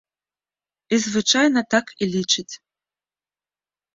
І звычайна так і лічыць.